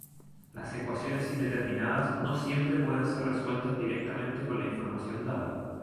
Las ecuaciones indeterminadas no siempre pueden ser resueltas directamente con la información dada.